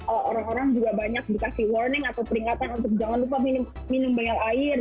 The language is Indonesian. oh orang orang juga banyak dikasih warning atau peringatan untuk jangan lupa minum banyak air